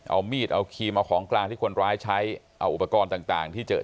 เอามีดเอาครีมเอาของกลางที่คนร้ายใช้เอาอุปกรณ์ต่างที่เจอ